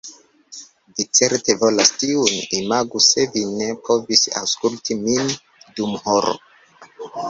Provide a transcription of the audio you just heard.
Vi certe volas tiun. Imagu se vi ne povis aŭskulti min dum horo!